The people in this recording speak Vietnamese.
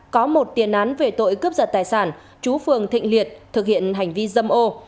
có một tiền án về tội cướp giật tài sản chú phường thịnh liệt thực hiện hành vi dâm ô